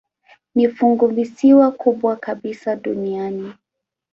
Ni funguvisiwa kubwa kabisa duniani.